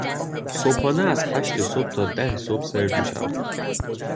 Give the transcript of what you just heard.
صبحانه از هشت صبح تا ده صبح سرو می شود.